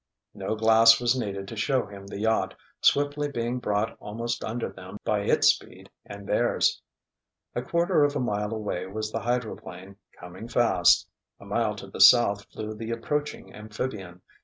No glass was needed to show him the yacht, swiftly being brought almost under them by its speed and theirs. A quarter of a mile away was the hydroplane, coming fast. A mile to the south flew the approaching amphibian.